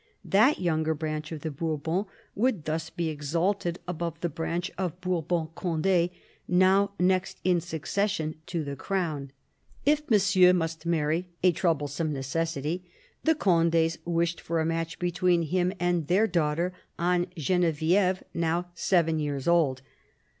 That younger branch of the Bourbons would thus be exalted above the branch of Bourbon Conde, now next in succession to the crown. If Monsieur must marry — a troublesome necessity — the Cond6s wished for a match between him and their daughter Anne Genevieve, now seven years old.